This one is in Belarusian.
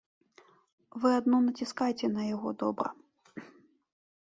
Вы адно націскайце на яго добра.